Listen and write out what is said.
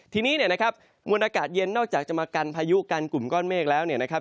ทีนี้เนี่ยนะครับมวลอากาศเย็นนอกจากจะมากันพายุกันกลุ่มก้อนเมฆแล้วเนี่ยนะครับ